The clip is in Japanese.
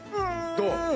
どう？